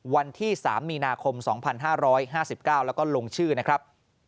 วันที่๓มีนาคม๒๕๕๙แล้วก็ลงชื่อนะครับ